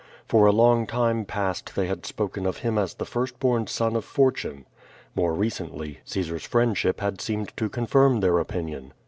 For a long time past they had spoken of him as the first bom son of for tune. More recently, Caesar's friendship had seemed to con firm their opinion.